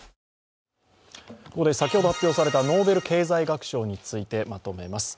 ここで先ほど発表されたノーベル経済学賞についてまとめます。